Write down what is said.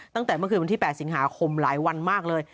ตั้งแต่เมื่อคืนวันที่๘สิงหาคมหลายวันมากเลย